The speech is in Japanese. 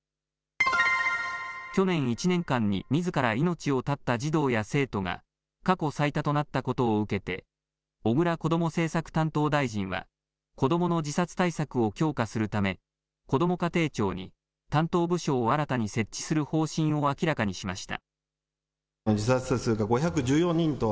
去年１年間にみずから命を絶った児童や生徒が、過去最多となったことを受けて、小倉こども政策担当大臣は、子どもの自殺対策を強化するため、こども家庭庁に、担当部署を新たに設置する方針を明らかにしました。